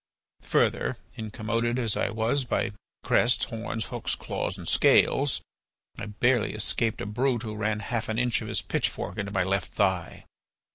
Further, incommoded as I was by crests, horns, hooks, claws, and scales, I barely escaped a brute who ran half an inch of his pitchfork into my left thigh."